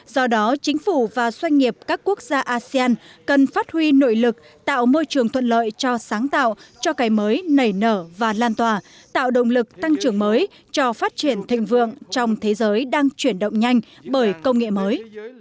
do đó chính phủ và doanh nghiệp các quốc gia asean cần phát huy nội lực tạo môi trường thuận lợi cho sáng tạo cho cây mới nảy nở và lan tỏa tạo động lực tăng trưởng mới cho phát triển thịnh vượng trong thế giới đang chuyển động nhanh bởi công nghệ mới